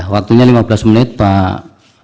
waktunya lima belas menit pak